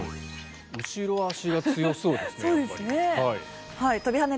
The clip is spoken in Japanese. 後ろ足が強そうですね。